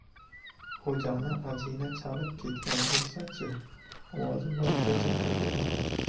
Xo‘jani ajina chalib ketgan bo‘lsa-chi?! Ovozim boricha chinqirib yubordim: